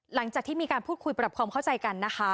หลังจากที่มีการพูดคุยปรับความเข้าใจกันนะคะ